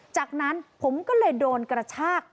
จากนั้นผมก็เลยโดนกระชาก